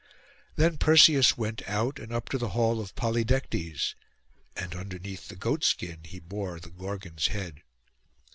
Then Perseus went out, and up to the hall of Polydectes; and underneath the goat skin he bore the Gorgon's head.